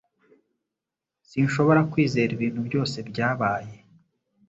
Sinshobora kwizera ibintu byose byabaye.